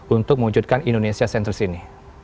untuk mewujudkan indonesia sensus ini